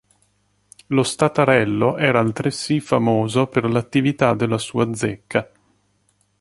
Lo Staterello era altresì famoso per l'attività della sua zecca.